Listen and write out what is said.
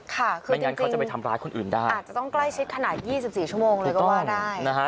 ค่ะคือจริงอาจจะต้องใกล้ชิดขนาด๒๔ชั่วโมงเลยก็ว่าได้